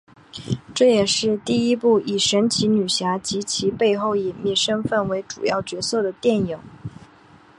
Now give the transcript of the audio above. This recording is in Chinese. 这也是第一部以神奇女侠及其背后隐秘身份为主要角色的电影。